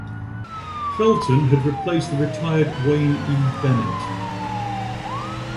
Felton had replaced the retired Wayne E. Bennett.